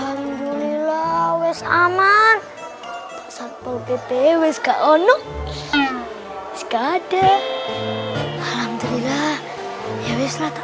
alhamdulillah wess aman pasal pol pp wess ga ono wess ga ada alhamdulillah ya wess lah tak